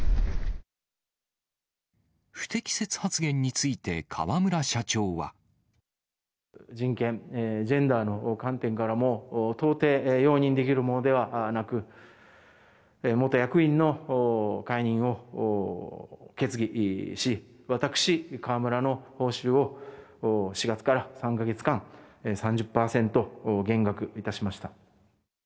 不適切発言について、河村社人権、ジェンダーの観点からも到底容認できるものではなく、元役員の解任を決議し、私、河村の報酬を４月から３か月間、３０％減額いたしました。